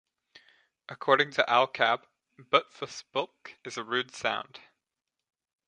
According to Al Capp, "btfsplk" is a rude sound.